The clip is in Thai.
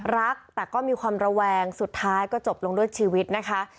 รักแต่ก็มีความระแวงสุดท้ายก็จบลงด้วยชีวิตนะคะ